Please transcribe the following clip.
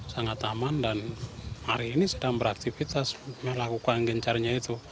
sangat aman dan hari ini sedang beraktivitas melakukan gencarnya itu